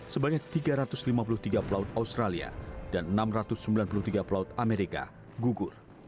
sebanyak tiga ratus lima puluh tiga pelaut australia dan enam ratus sembilan puluh tiga pelaut amerika gugur